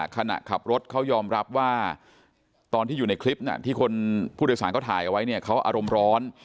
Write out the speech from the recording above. ขณะขับรถเขายอมรับว่าตอนที่อยู่ในคลิปที่คนผู้โดยสารเขาถ่ายเอาไว้เนี่ยเขาอารมณ์ร้อน